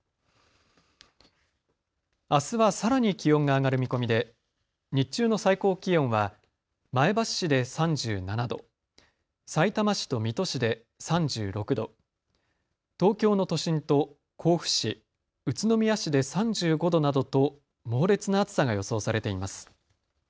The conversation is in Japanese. あすはさらに気温が上がる見込みで日中の最高気温は前橋市で３７度、さいたま市と水戸市で３６度、東京の都心と甲府市、宇都宮市で３５度などと猛烈な暑さが予想されています。